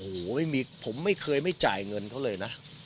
โอ้โหผมไม่เคยไม่จ่ายเงินเขาเลยนะ